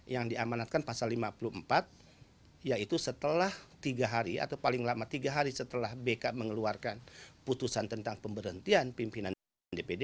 yang diamanatkan pasal lima puluh empat yaitu setelah tiga hari atau paling lama tiga hari setelah bk mengeluarkan putusan tentang pemberhentian pimpinan dpd